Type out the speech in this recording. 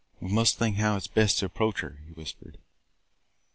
We must think how it 's best to approach her," he whispered.